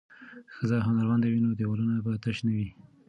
که ښځې هنرمندې وي نو دیوالونه به تش نه وي.